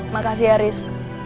makasih ya ris